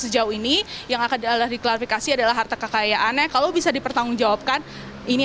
sejauh ini yang akan diklarifikasi adalah harta kekayaannya kalau bisa dipertanggungjawabkan ini